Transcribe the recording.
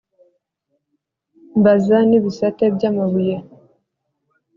mbaza n’ibisate by’amabuye